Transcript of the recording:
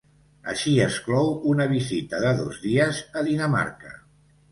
Així es clou una visita de dos dies a Dinamarca.